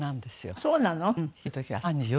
そうなの？